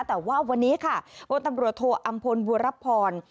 แต่ว่าวันนี้ค่ะพลตำรวจโทอำพลบัวรับพร